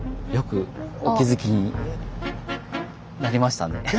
よくお気付きになりましたね。